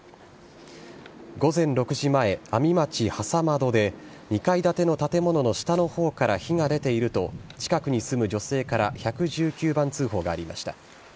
午前６時前、阿見町廻戸で、２階建ての建物の下のほうから火が出ていると、近くに住む女性から１１９番通報がありました。